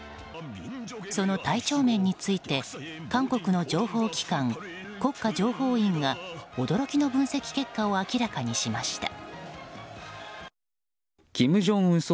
その体調面について韓国の情報機関国家情報院が驚きの分析結果を明らかにしました。